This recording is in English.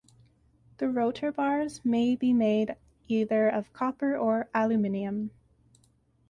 The rotor bars may be made either of copper or aluminium.